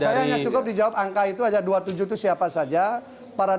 saya hanya cukup dijawab angka itu hanya dua puluh tujuh itu siapa saja